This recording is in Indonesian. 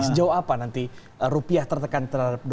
sejauh apa nanti rupiah tertekan terhadap dolar amerika